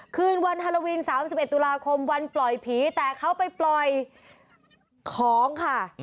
คืนวันฮาโลวิน๓๑ตุลาคมวันปล่อยผีแต่เขาไปปล่อยของค่ะ